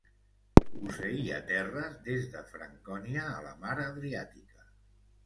Posseïa terres des de Francònia a la mar Adriàtica.